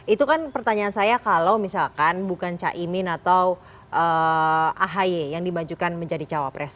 itu kan pertanyaan saya kalau misalkan bukan caimin atau ahy yang dimajukan menjadi cawapres